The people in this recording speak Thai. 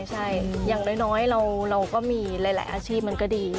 ใช่อย่างน้อยเราก็มีหลายอาชีพมันก็ดี